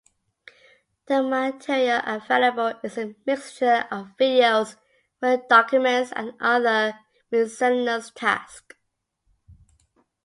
The material available is a mixture of videos, word documents and other miscellaneous tasks.